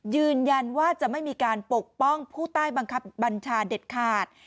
ยืนยันว่าจะไม่มีการปกป้องผู้ใต้บังคับบัญชาเด็ดขาด